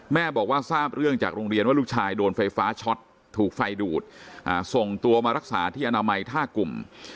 แม่บอกว่าทราบเรื่องจากโรงเรียนว่าลูกชายโดนไฟฟ้าช็อตถูกไฟดูดส่งตัวมารักษาที่อนามัยท่ากลุ่ม